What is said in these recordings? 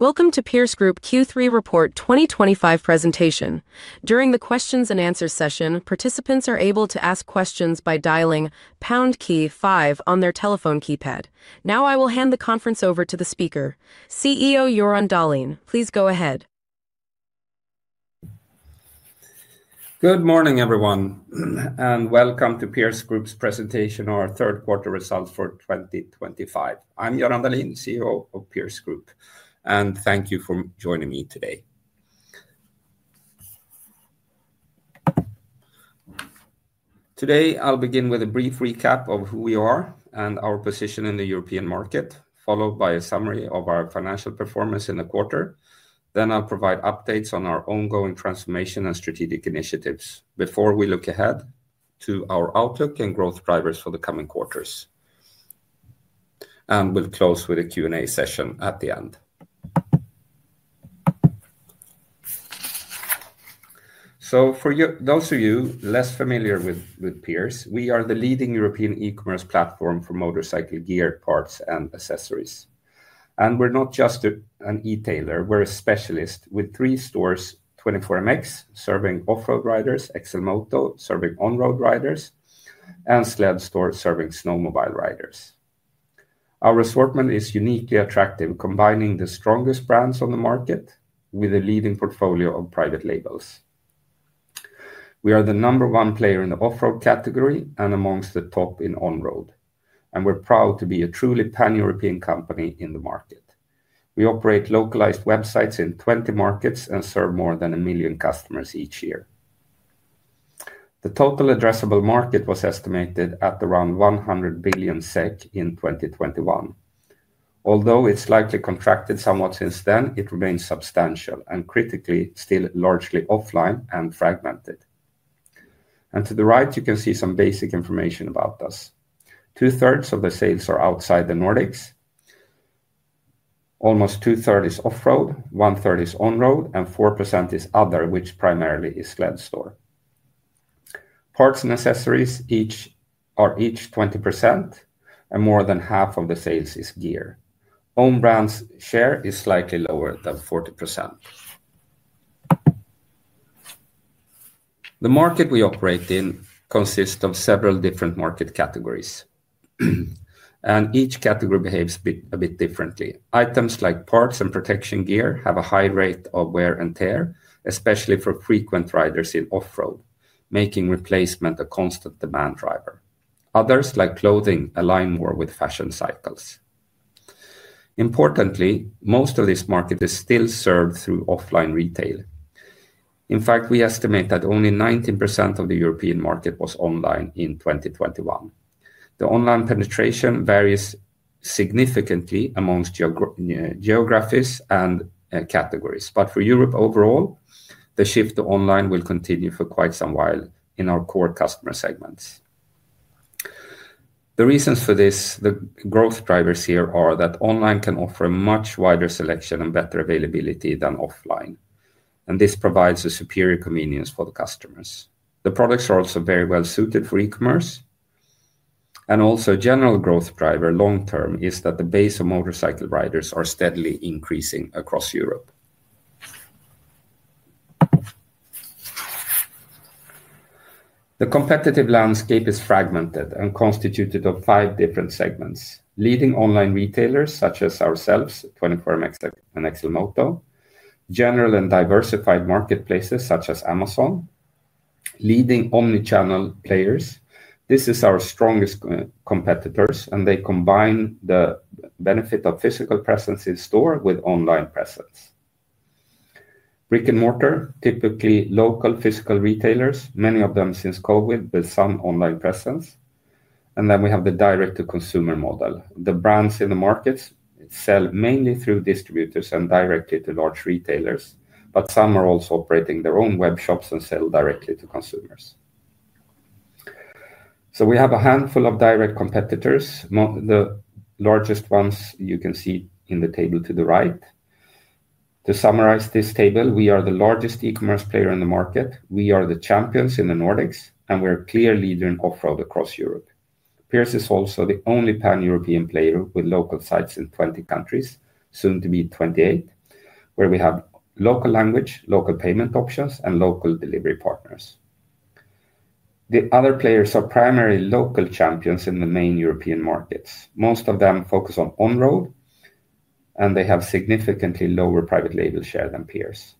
Welcome to Pierce Group Q3 Report 2025 presentation. During the Q&A session, participants are able to ask questions by dialing #5 on their telephone keypad. Now, I will hand the conference over to the speaker. CEO Göran Dahlin, please go ahead. Good morning, everyone, and welcome to Pierce Group's presentation on our third-quarter results for 2025. I'm Göran Dahlin, CEO of Pierce Group, and thank you for joining me today. Today, I'll begin with a brief recap of who we are and our position in the European market, followed by a summary of our financial performance in the quarter. Then, I'll provide updates on our ongoing transformation and strategic initiatives before we look ahead to our outlook and growth drivers for the coming quarters. We will close with a Q&A session at the end. For those of you less familiar with Pierce, we are the leading European e-commerce platform for motorcycle gear, parts, and accessories. We are not just an e-tailer; we are a specialist with three stores: 24MX serving Offroad riders, XLMOTO serving Onroad riders, and Sledstore serving snowmobile riders. Our assortment is uniquely attractive, combining the strongest brands on the market with a leading portfolio of private labels. We are the number one player in the Offroad category and amongst the top in Onroad, and we're proud to be a truly pan-European company in the market. We operate localized websites in 20 markets and serve more than 1 million customers each year. The total addressable market was estimated at around 100 billion SEK in 2021. Although it's likely contracted somewhat since then, it remains substantial and critically still largely offline and fragmented. To the right, you can see some basic information about us. Two-thirds of the sales are outside the Nordics, almost two-thirds is Offroad, one-third is Onroad, and 4% is other, which primarily is Sledstore. Parts and accessories are each 20%, and more than half of the sales is gear. Own brand's share is slightly lower than 40%. The market we operate in consists of several different market categories, and each category behaves a bit differently. Items like parts and protection gear have a high rate of wear and tear, especially for frequent riders in Offroad, making replacement a constant demand driver. Others, like clothing, align more with fashion cycles. Importantly, most of this market is still served through offline retail. In fact, we estimate that only 19% of the European market was online in 2021. The online penetration varies significantly amongst geographies and categories, but for Europe overall, the shift to online will continue for quite some while in our core customer segments. The reasons for this, the growth drivers here are that online can offer a much wider selection and better availability than offline, and this provides a superior convenience for the customers. The products are also very well suited for e-commerce. A general growth driver long-term is that the base of motorcycle riders are steadily increasing across Europe. The competitive landscape is fragmented and constituted of five different segments: leading online retailers such as ourselves, 24MX and XLMOTO; general and diversified marketplaces such as Amazon; leading omnichannel players. This is our strongest competitors, and they combine the benefit of physical presence in store with online presence. Brick and mortar, typically local physical retailers, many of them since COVID, but some online presence. We have the direct-to-consumer model. The brands in the markets sell mainly through distributors and directly to large retailers, but some are also operating their own web shops and sell directly to consumers. We have a handful of direct competitors. The largest ones you can see in the table to the right. To summarize this table, we are the largest e-commerce player in the market. We are the champions in the Nordics, and we're a clear leader in Offroad across Europe. Pierce is also the only pan-European player with local sites in 20 countries, soon to be 28, where we have local language, local payment options, and local delivery partners. The other players are primarily local champions in the main European markets. Most of them focus on Onroad, and they have significantly lower private label share than Pierce.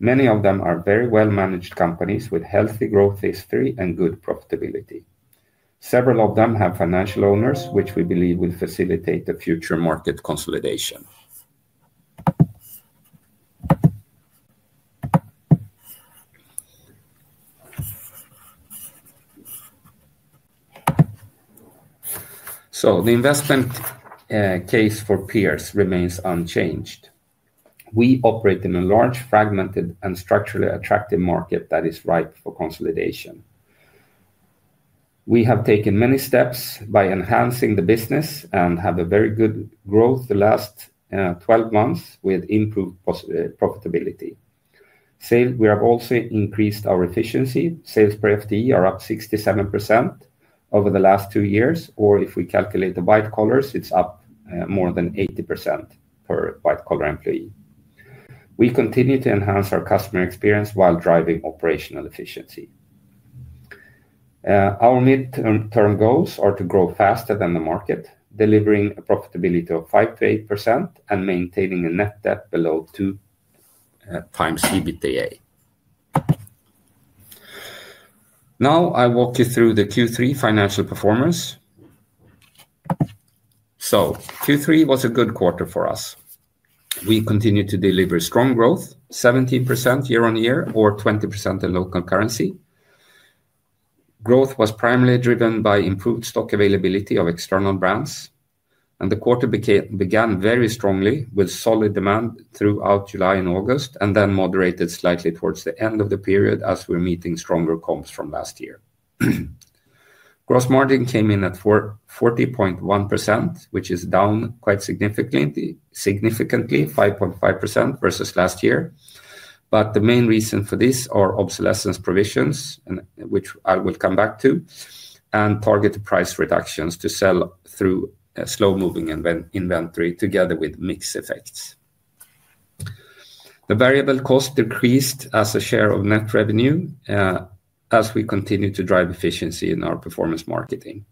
Many of them are very well-managed companies with healthy growth history and good profitability. Several of them have financial owners, which we believe will facilitate the future market consolidation. The investment case for Pierce remains unchanged. We operate in a large, fragmented, and structurally attractive market that is ripe for consolidation. We have taken many steps by enhancing the business and have a very good growth the last 12 months with improved profitability. We have also increased our efficiency. Sales per FTE are up 67% over the last two years, or if we calculate the white-collars, it's up more than 80% per white-collar employee. We continue to enhance our customer experience while driving operational efficiency. Our mid-term goals are to grow faster than the market, delivering a profitability of 5%-8% and maintaining a net debt below two times EBITDA. Now, I'll walk you through the Q3 financial performance. Q3 was a good quarter for us. We continued to deliver strong growth, 17% year-on-year or 20% in local currency. Growth was primarily driven by improved stock availability of external brands, and the quarter began very strongly with solid demand throughout July and August, and then moderated slightly towards the end of the period as we were meeting stronger comps from last year. Gross margin came in at 40.1%, which is down quite significantly, 5.5% versus last year. The main reason for this are obsolescence provisions, which I will come back to, and targeted price reductions to sell through slow-moving inventory together with mix effects. The variable cost decreased as a share of net revenue as we continue to drive efficiency in our performance marketing.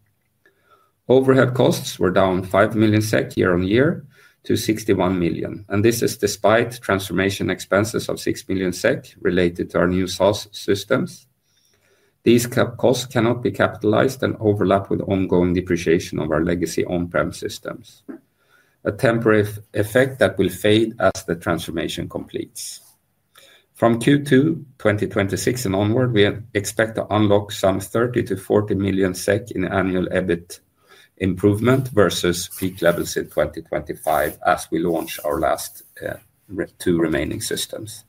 Overhead costs were down 5 million SEK year-on-year to 61 million, and this is despite transformation expenses of 6 million SEK related to our new SaaS systems. These costs cannot be capitalized and overlap with ongoing depreciation of our legacy on-prem systems, a temporary effect that will fade as the transformation completes. From Q2 2026 and onward, we expect to unlock some 30 million-40 million SEK in annual EBIT improvement versus peak levels in 2025 as we launch our last two remaining systems.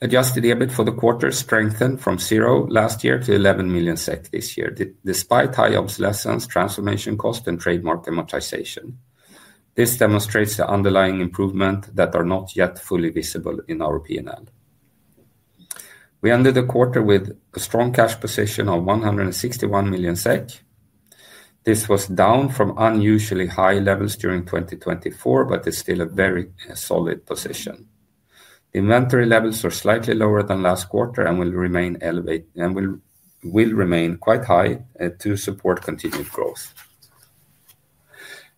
Adjusted EBIT for the quarter strengthened from zero last year to 11 million SEK this year, despite high obsolescence, transformation cost, and trademark amortization. This demonstrates the underlying improvement that is not yet fully visible in our P&L. We ended the quarter with a strong cash position of 161 million SEK. This was down from unusually high levels during 2024, but it's still a very solid position. Inventory levels are slightly lower than last quarter and will remain quite high to support continued growth.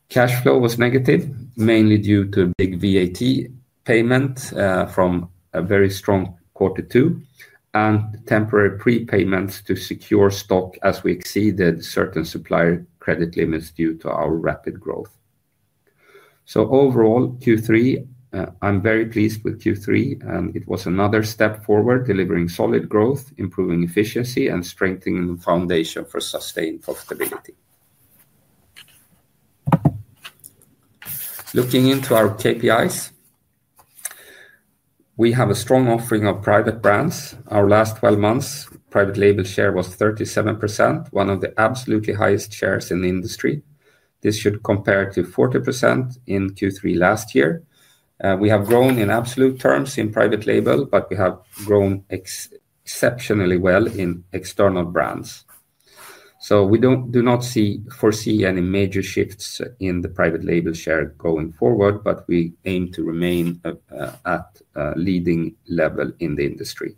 Cash flow was negative, mainly due to a big VAT payment from a very strong quarter two and temporary prepayments to secure stock as we exceeded certain supplier credit limits due to our rapid growth. Overall, Q3, I'm very pleased with Q3, and it was another step forward, delivering solid growth, improving efficiency, and strengthening the foundation for sustained profitability. Looking into our KPIs, we have a strong offering of private brands. Our last 12 months, private label share was 37%, one of the absolutely highest shares in the industry. This should compare to 40% in Q3 last year. We have grown in absolute terms in private label, but we have grown exceptionally well in external brands. We do not foresee any major shifts in the private label share going forward, but we aim to remain at a leading level in the industry.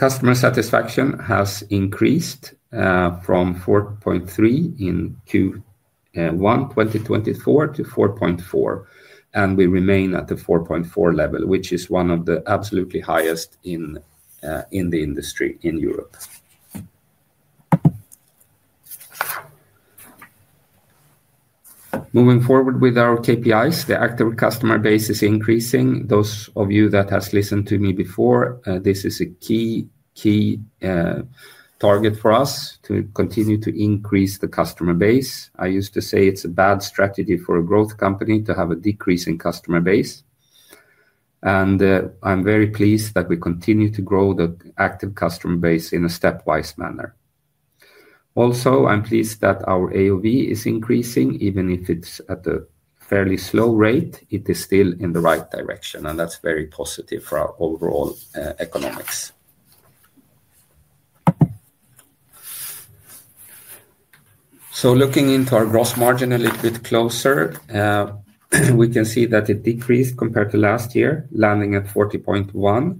Customer satisfaction has increased from 4.3 in Q1 2024 to 4.4, and we remain at the 4.4 level, which is one of the absolutely highest in the industry in Europe. Moving forward with our KPIs, the active customer base is increasing. Those of you that have listened to me before, this is a key target for us to continue to increase the customer base. I used to say it's a bad strategy for a growth company to have a decrease in customer base, and I'm very pleased that we continue to grow the active customer base in a stepwise manner. Also, I'm pleased that our AOV is increasing. Even if it's at a fairly slow rate, it is still in the right direction, and that's very positive for our overall economics. Looking into our gross margin a little bit closer, we can see that it decreased compared to last year, landing at 40.1%.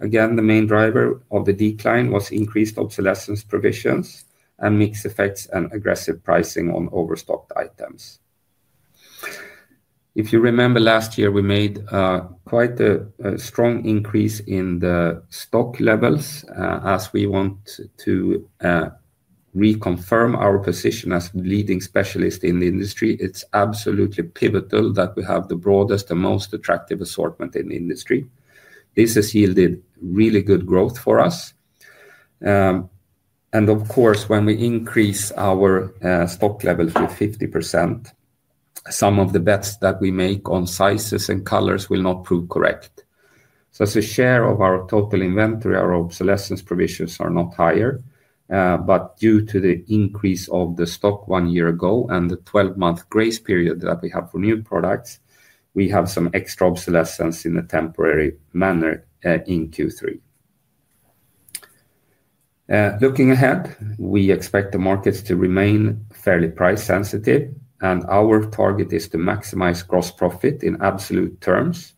Again, the main driver of the decline was increased obsolescence provisions and mix effects and aggressive pricing on overstocked items. If you remember last year, we made quite a strong increase in the stock levels. As we want to reconfirm our position as leading specialists in the industry, it is absolutely pivotal that we have the broadest and most attractive assortment in the industry. This has yielded really good growth for us. Of course, when we increase our stock level to 50%, some of the bets that we make on sizes and colors will not prove correct. As a share of our total inventory, our obsolescence provisions are not higher, but due to the increase of the stock one year ago and the 12-month grace period that we have for new products, we have some extra obsolescence in a temporary manner in Q3. Looking ahead, we expect the markets to remain fairly price-sensitive, and our target is to maximize gross profit in absolute terms,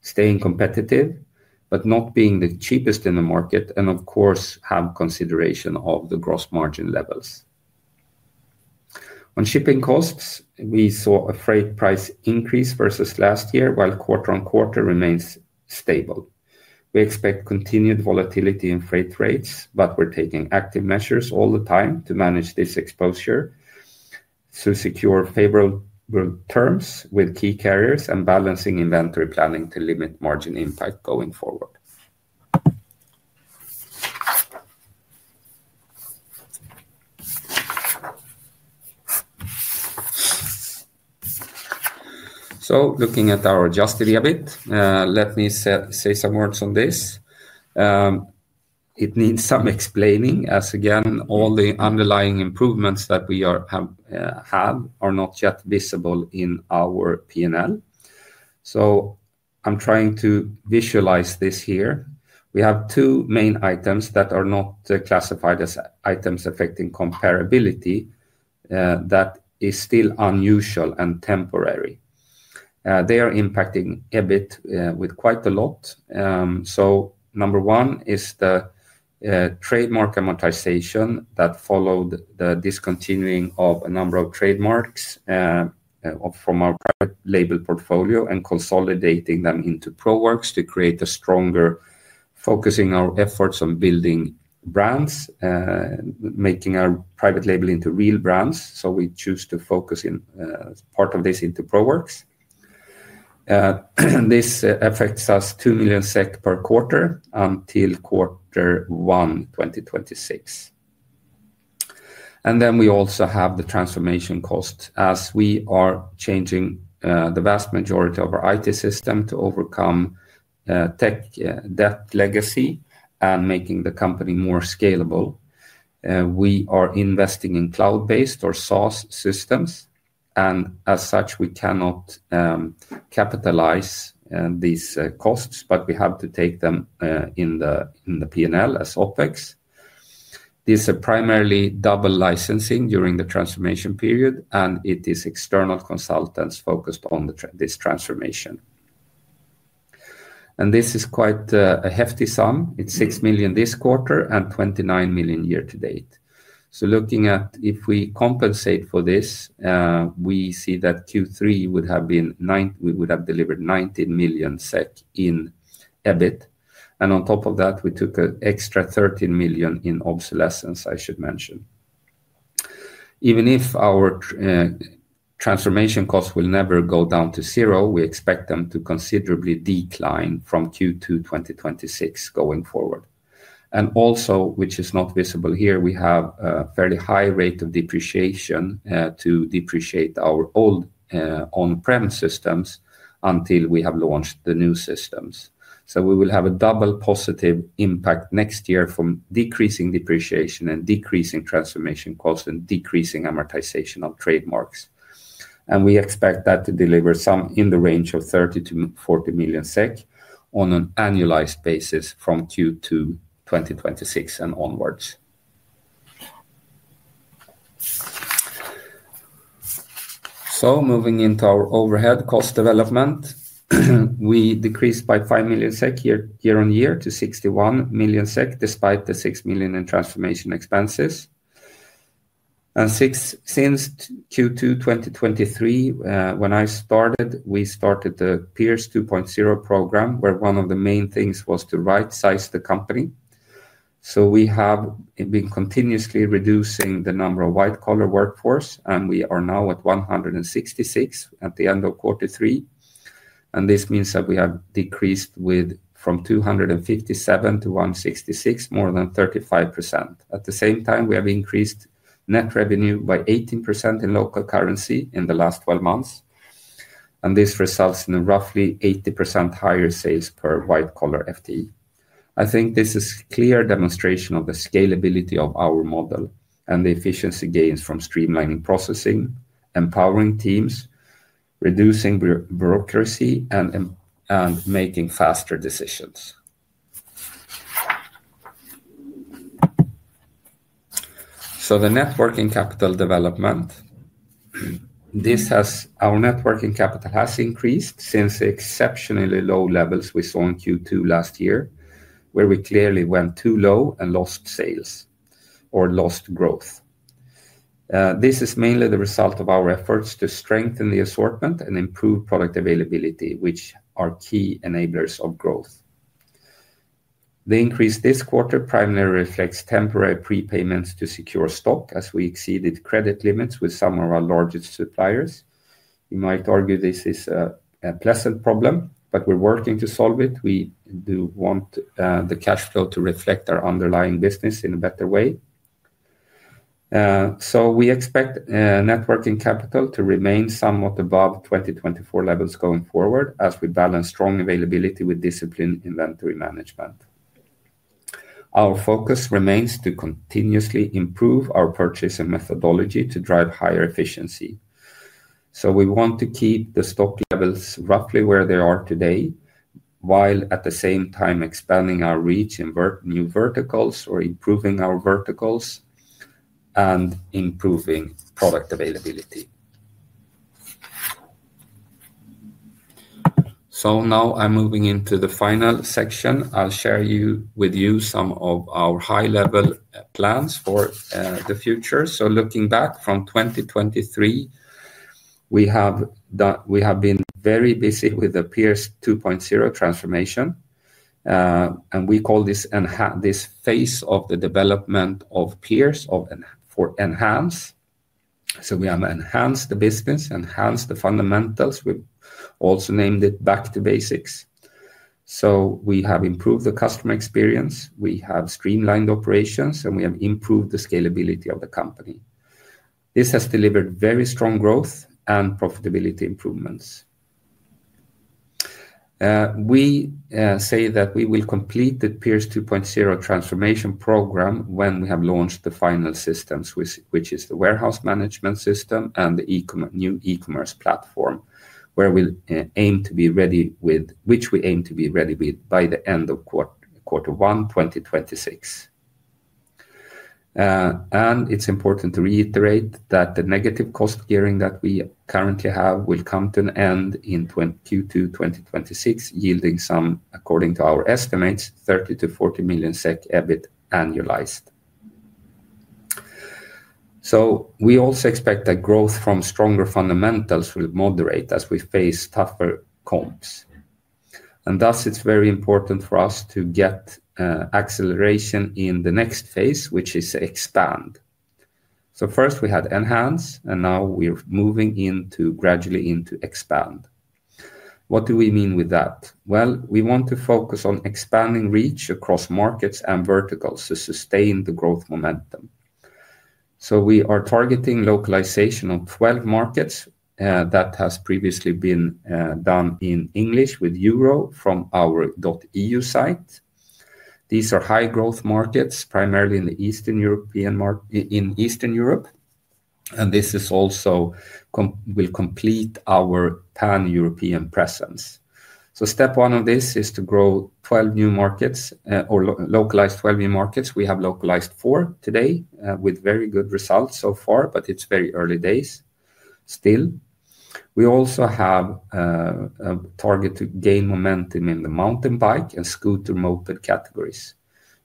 staying competitive, but not being the cheapest in the market, and of course, have consideration of the gross margin levels. On shipping costs, we saw a freight price increase versus last year, while quarter on quarter remains stable. We expect continued volatility in freight rates, but we are taking active measures all the time to manage this exposure to secure favorable terms with key carriers and balancing inventory planning to limit margin impact going forward. Looking at our adjusted EBIT, let me say some words on this. It needs some explaining, as again, all the underlying improvements that we have are not yet visible in our P&L. I am trying to visualize this here. We have two main items that are not classified as items affecting comparability that are still unusual and temporary. They are impacting EBIT quite a lot. Number one is the trademark amortization that followed the discontinuing of a number of trademarks from our private label portfolio and consolidating them into Proworks to create a stronger focus on our efforts on building brands, making our private label into real brands. We choose to focus part of this into Proworks. This affects us 2 million SEK per quarter until quarter one 2026. We also have the transformation cost as we are changing the vast majority of our IT system to overcome tech debt legacy and making the company more scalable. We are investing in cloud-based or SaaS systems, and as such, we cannot capitalize these costs, but we have to take them in the P&L as OpEx. This is primarily double licensing during the transformation period, and it is external consultants focused on this transformation. This is quite a hefty sum. It is 6 million this quarter and 29 million year-to-date. Looking at if we compensate for this, we see that Q3 we would have delivered 19 million SEK in EBIT, and on top of that, we took an extra 13 million in obsolescence, I should mention. Even if our transformation costs will never go down to zero, we expect them to considerably decline from Q2 2026 going forward. Also, which is not visible here, we have a fairly high rate of depreciation to depreciate our old on-prem systems until we have launched the new systems. We will have a double positive impact next year from decreasing depreciation and decreasing transformation costs and decreasing amortization of trademarks. We expect that to deliver some in the range of 30 million-40 million SEK on an annualized basis from Q2 2026 and onwards. Moving into our overhead cost development, we decreased by 5 million SEK year-on-year to 61 million SEK despite the 6 million in transformation expenses. Since Q2 2023, when I started, we started the Pierce 2.0 program, where one of the main things was to right-size the company. We have been continuously reducing the number of white-collar workforce, and we are now at 166 at the end of quarter three. This means that we have decreased from 257 to 166, more than 35%. At the same time, we have increased net revenue by 18% in local currency in the last 12 months, and this results in a roughly 80% higher sales per white-collar FTE. I think this is a clear demonstration of the scalability of our model and the efficiency gains from streamlining processing, empowering teams, reducing bureaucracy, and making faster decisions. The networking capital development, our networking capital has increased since the exceptionally low levels we saw in Q2 last year, where we clearly went too low and lost sales or lost growth. This is mainly the result of our efforts to strengthen the assortment and improve product availability, which are key enablers of growth. The increase this quarter primarily reflects temporary prepayments to secure stock as we exceeded credit limits with some of our largest suppliers. You might argue this is a pleasant problem, but we're working to solve it. We do want the cash flow to reflect our underlying business in a better way. We expect networking capital to remain somewhat above 2024 levels going forward as we balance strong availability with disciplined inventory management. Our focus remains to continuously improve our purchasing methodology to drive higher efficiency. We want to keep the stock levels roughly where they are today, while at the same time expanding our reach in new verticals or improving our verticals and improving product availability. Now I'm moving into the final section. I'll share with you some of our high-level plans for the future. Looking back from 2023, we have been very busy with the Pierce 2.0 transformation, and we call this phase of the development of Pierce for enhance. We have enhanced the business, enhanced the fundamentals. We also named it back to basics. We have improved the customer experience, we have streamlined operations, and we have improved the scalability of the company. This has delivered very strong growth and profitability improvements. We say that we will complete the Pierce 2.0 transformation program when we have launched the final systems, which is the warehouse management system and the new e-commerce platform, which we aim to be ready with by the end of quarter one 2026. It is important to reiterate that the negative cost gearing that we currently have will come to an end in Q2 2026, yielding, according to our estimates, 30 million-40 million SEK EBIT annualized. We also expect that growth from stronger fundamentals will moderate as we face tougher comps. Thus, it's very important for us to get acceleration in the next phase, which is expand. First we had enhance, and now we're moving gradually into expand. What do we mean with that? We want to focus on expanding reach across markets and verticals to sustain the growth momentum. We are targeting localization on 12 markets that has previously been done in English with Euro from our .eu site. These are high-growth markets, primarily in Eastern Europe. This also will complete our pan-European presence. Step one of this is to grow 12 new markets or localize 12 new markets. We have localized four today with very good results so far, but it's very early days still. We also have a target to gain momentum in the mountain bike and scooter motor categories.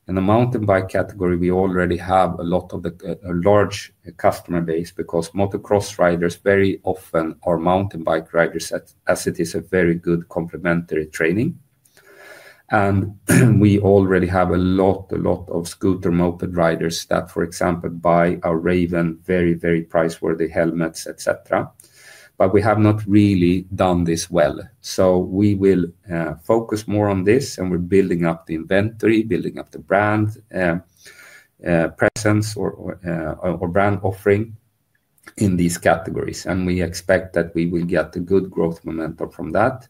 In the mountain bike category, we already have a large customer base because motocross riders very often are mountain bike riders, as it is a very good complementary training. We already have a lot of scooter moto riders that, for example, buy our Raven, very, very priceworthy helmets, etc. We have not really done this well. We will focus more on this, and we're building up the inventory, building up the brand presence or brand offering in these categories. We expect that we will get good growth momentum from that.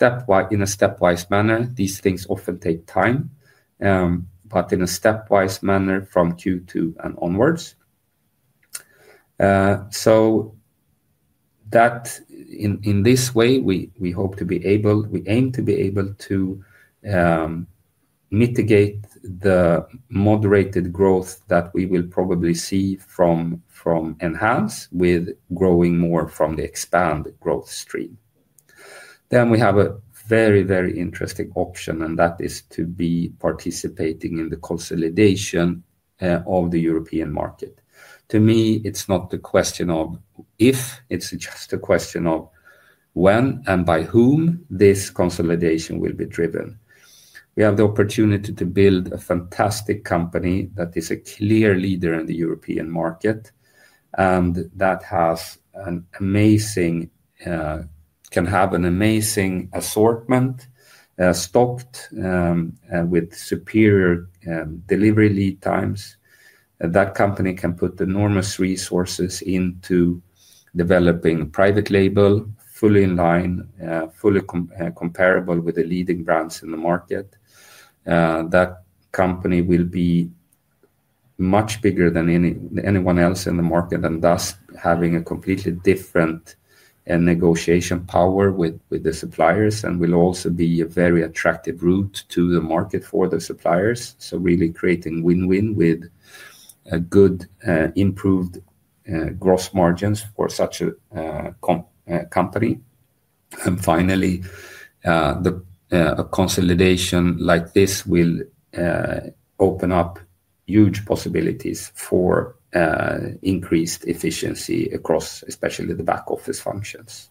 In a stepwise manner, these things often take time, but in a stepwise manner from Q2 and onwards. In this way, we hope to be able—we aim to be able to mitigate the moderated growth that we will probably see from enhance with growing more from the expand growth stream. We have a very, very interesting option, and that is to be participating in the consolidation of the European market. To me, it's not a question of if; it's just a question of when and by whom this consolidation will be driven. We have the opportunity to build a fantastic company that is a clear leader in the European market and that can have an amazing assortment, stocked with superior delivery lead times. That company can put enormous resources into developing private label, fully in line, fully comparable with the leading brands in the market. That company will be much bigger than anyone else in the market and thus having a completely different negotiation power with the suppliers and will also be a very attractive route to the market for the suppliers. Really creating win-win with good improved gross margins for such a company. Finally, a consolidation like this will open up huge possibilities for increased efficiency across especially the back office functions.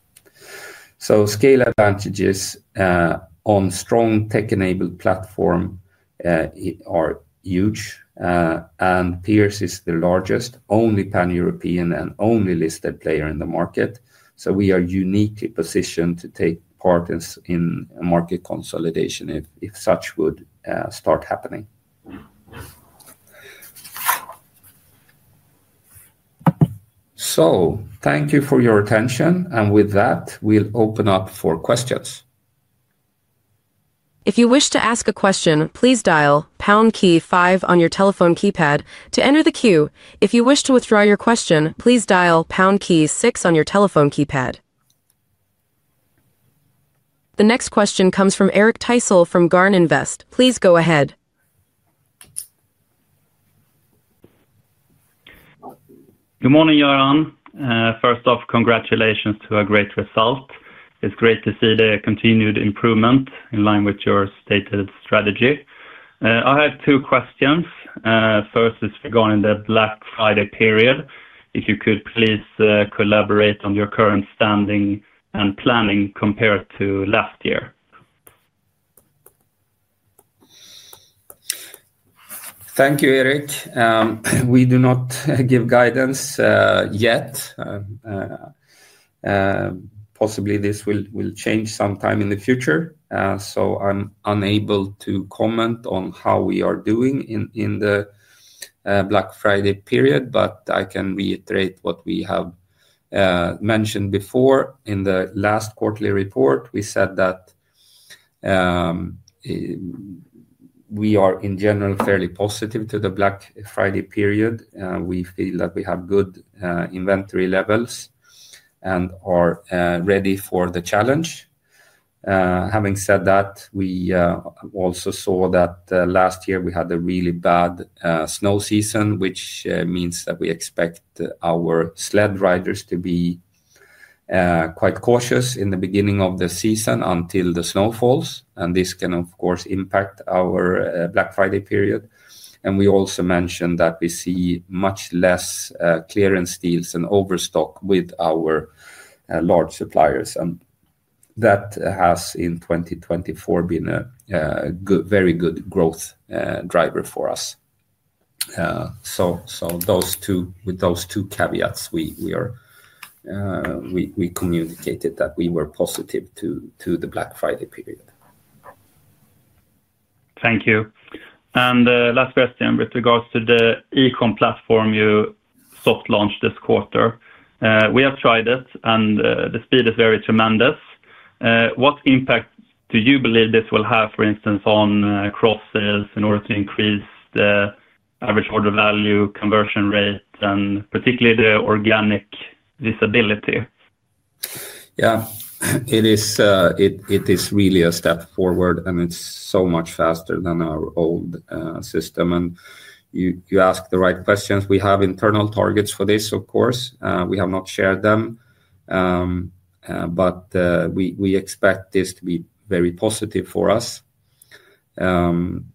Scale advantages on strong tech-enabled platform are huge, and Pierce is the largest, only pan-European, and only listed player in the market. We are uniquely positioned to take part in market consolidation if such would start happening. Thank you for your attention, and with that, we'll open up for questions. If you wish to ask a question, please dial pound key five on your telephone keypad to enter the queue. If you wish to withdraw your question, please dial pound key six on your telephone keypad. The next question comes from Eric Thysell from Garn Invest. Please go ahead. Good morning, Göran. First off, congratulations to a great result. It's great to see the continued improvement in line with your stated strategy. I have two questions. First is regarding the Black Friday period. If you could please elaborate on your current standing and planning compared to last year. Thank you, Eric. We do not give guidance yet. Possibly this will change sometime in the future, so I'm unable to comment on how we are doing in the Black Friday period, but I can reiterate what we have mentioned before. In the last quarterly report, we said that we are in general fairly positive to the Black Friday period. We feel that we have good inventory levels and are ready for the challenge. Having said that, we also saw that last year we had a really bad snow season, which means that we expect our sled riders to be quite cautious in the beginning of the season until the snow falls. This can, of course, impact our Black Friday period. We also mentioned that we see much less clearance deals and overstock with our large suppliers. That has in 2024 been a very good growth driver for us. With those two caveats, we communicated that we were positive to the Black Friday period. Thank you. Last question with regards to the e-comm platform you soft launched this quarter. We have tried it, and the speed is very tremendous. What impact do you believe this will have, for instance, on cross-sales in order to increase the average order value, conversion rate, and particularly the organic visibility? Yeah, it is really a step forward, and it's so much faster than our old system. You asked the right questions. We have internal targets for this, of course. We have not shared them, but we expect this to be very positive for us. The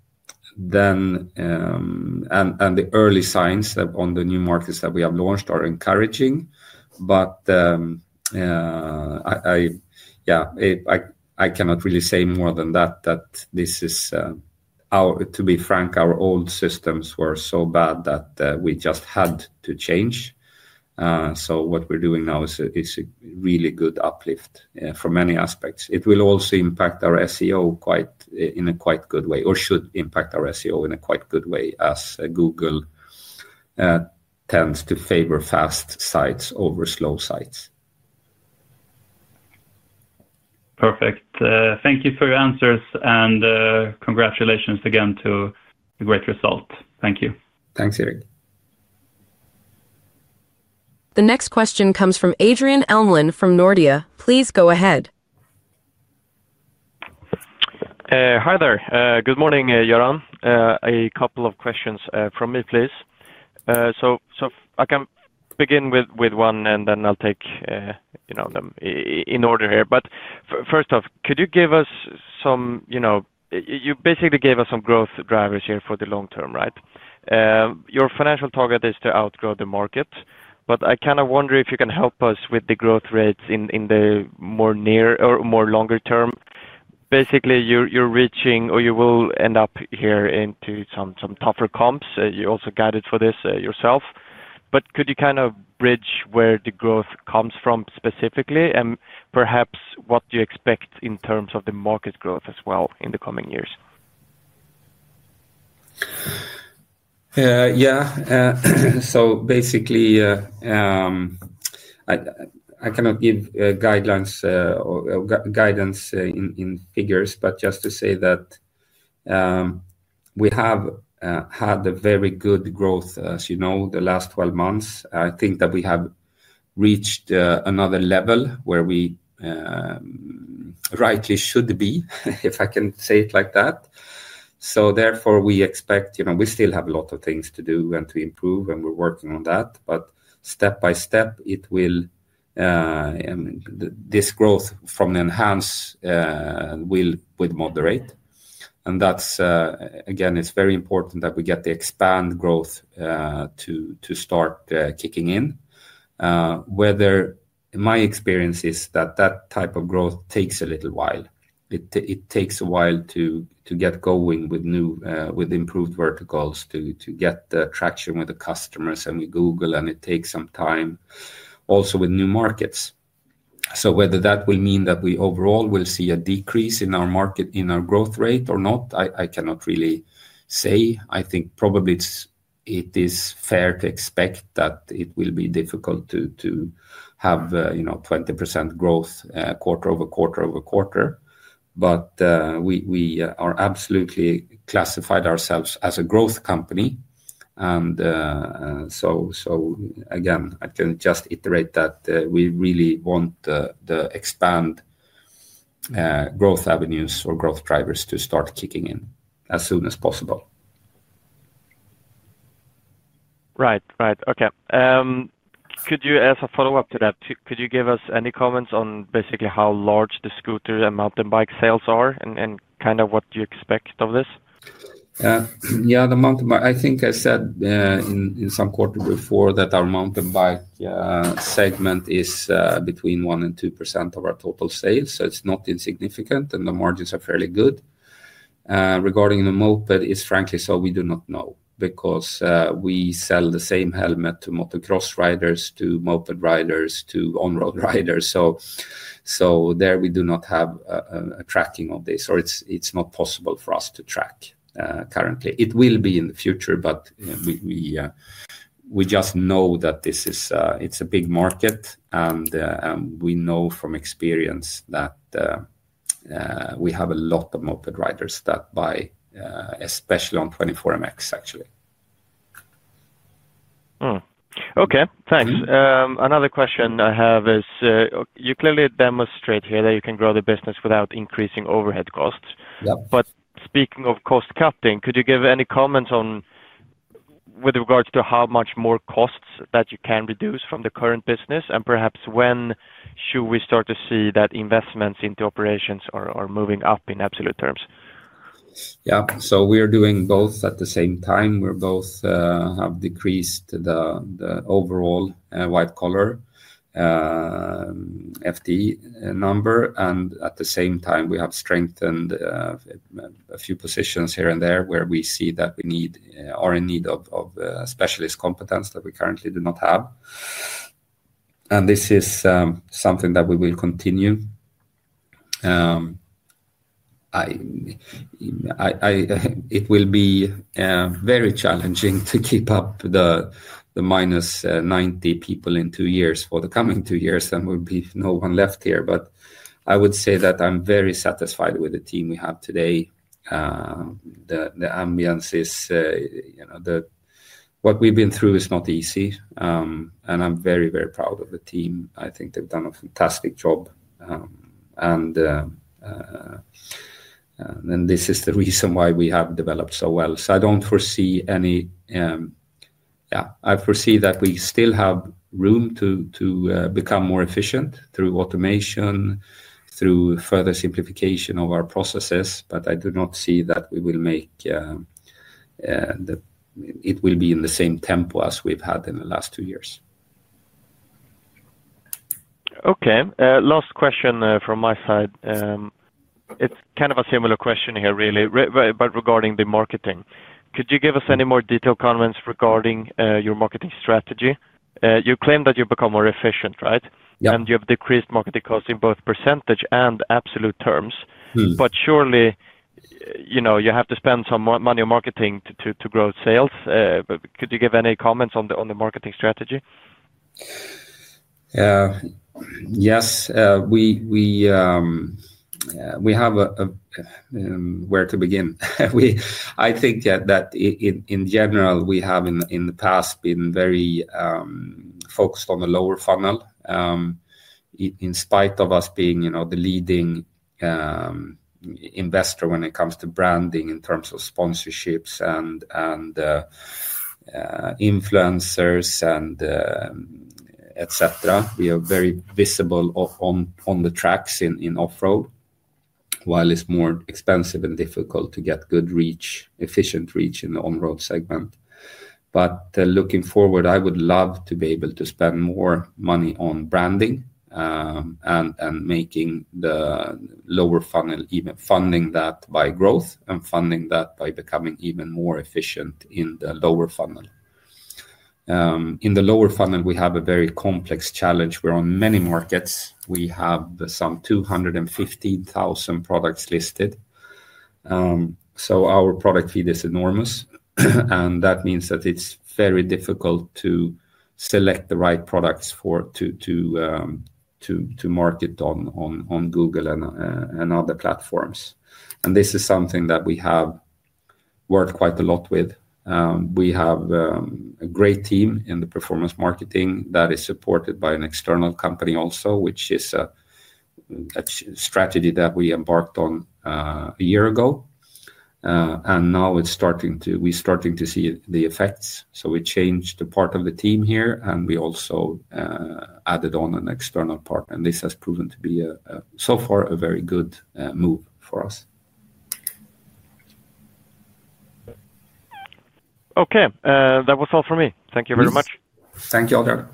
early signs on the new markets that we have launched are encouraging. I cannot really say more than that, that this is, to be frank, our old systems were so bad that we just had to change. What we're doing now is a really good uplift from many aspects. It will also impact our SEO in a quite good way, or should impact our SEO in a quite good way, as Google tends to favor fast sites over slow sites. Perfect. Thank you for your answers, and congratulations again to a great result. Thank you. Thanks, Eric. The next question comes from Adrian Elmlund from Nordea. Please go ahead. Hi there. Good morning, Göran. A couple of questions from me, please. I can begin with one, and then I'll take them in order here. First off, could you give us some—you basically gave us some growth drivers here for the long term, right? Your financial target is to outgrow the market, but I kind of wonder if you can help us with the growth rates in the more near or more longer term. Basically, you're reaching, or you will end up here into some tougher comps. You also guided for this yourself. Could you kind of bridge where the growth comes from specifically, and perhaps what do you expect in terms of the market growth as well in the coming years? Yeah. So basically, I cannot give guidance in figures, but just to say that we have had a very good growth, as you know, the last 12 months. I think that we have reached another level where we rightly should be, if I can say it like that. Therefore, we expect we still have a lot of things to do and to improve, and we're working on that. Step by step, this growth from enhance will moderate. Again, it's very important that we get the expand growth to start kicking in. My experience is that that type of growth takes a little while. It takes a while to get going with improved verticals, to get traction with the customers and with Google, and it takes some time also with new markets. Whether that will mean that we overall will see a decrease in our market, in our growth rate or not, I cannot really say. I think probably it is fair to expect that it will be difficult to have 20% growth quarter over quarter-over-quarter. We are absolutely classifying ourselves as a growth company. Again, I can just iterate that we really want the expand growth avenues or growth drivers to start kicking in as soon as possible. Right, right. Okay. Could you, as a follow-up to that, could you give us any comments on basically how large the scooter and mountain bike sales are and kind of what you expect of this? Yeah, the mountain bike, I think I said in some quarter before that our mountain bike segment is between 1% and 2% of our total sales. So it's not insignificant, and the margins are fairly good. Regarding the moped, it's frankly so we do not know because we sell the same helmet to motocross riders, to moped riders, to Onroad riders. So there we do not have a tracking of this, or it's not possible for us to track currently. It will be in the future, but we just know that it's a big market, and we know from experience that we have a lot of moped riders that buy, especially on 24MX, actually. Okay, thanks. Another question I have is you clearly demonstrate here that you can grow the business without increasing overhead costs. Speaking of cost cutting, could you give any comments with regards to how much more costs that you can reduce from the current business, and perhaps when should we start to see that investments into operations are moving up in absolute terms? Yeah, so we are doing both at the same time. We both have decreased the overall white-collar FTE number, and at the same time, we have strengthened a few positions here and there where we see that we are in need of specialist competence that we currently do not have. This is something that we will continue. It will be very challenging to keep up the -90 people in two years for the coming two years, and there will be no one left here. I would say that I'm very satisfied with the team we have today. The ambiance is—what we've been through is not easy, and I'm very, very proud of the team. I think they've done a fantastic job, and this is the reason why we have developed so well. I don't foresee any—yeah, I foresee that we still have room to become more efficient through automation, through further simplification of our processes, but I do not see that we will make—it will be in the same tempo as we've had in the last two years. Okay. Last question from my side. It's kind of a similar question here, really, but regarding the marketing. Could you give us any more detailed comments regarding your marketing strategy? You claim that you've become more efficient, right? Yeah. You have decreased marketing costs in both percentage and absolute terms. Surely you have to spend some money on marketing to grow sales. Could you give any comments on the marketing strategy? Yes. We have where to begin. I think that in general, we have in the past been very focused on the lower funnel in spite of us being the leading investor when it comes to branding in terms of sponsorships and influencers, etc. We are very visible on the tracks in Offroad, while it's more expensive and difficult to get good reach, efficient reach in the Onroad segment. Looking forward, I would love to be able to spend more money on branding and making the lower funnel even funding that by growth and funding that by becoming even more efficient in the lower funnel. In the lower funnel, we have a very complex challenge. We're on many markets. We have some 215,000 products listed. Our product feed is enormous, and that means that it's very difficult to select the right products to market on Google and other platforms. This is something that we have worked quite a lot with. We have a great team in the performance marketing that is supported by an external company also, which is a strategy that we embarked on a year ago. Now we're starting to see the effects. We changed the part of the team here, and we also added on an external partner. This has proven to be, so far, a very good move for us. Okay. That was all for me. Thank you very much. Thank you.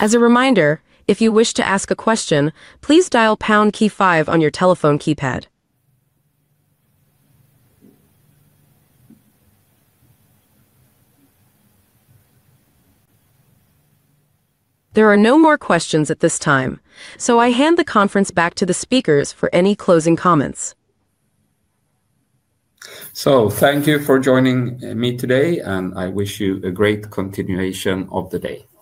As a reminder, if you wish to ask a question, please dial Pound Key 5 on your telephone keypad. There are no more questions at this time, so I hand the conference back to the speakers for any closing comments. Thank you for joining me today, and I wish you a great continuation of the day. Thank you.